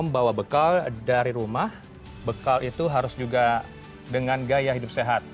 bekal itu harus juga dengan gaya hidup sehat